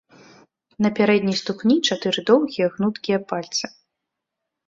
На пярэдняй ступні чатыры доўгія, гнуткія пальцы.